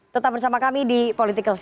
tetap bersama kami di political sho